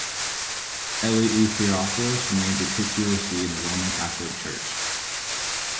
Eleutheropolis remains a titular see in the Roman Catholic Church.